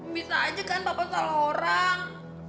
bisa aja kan bapak salah orang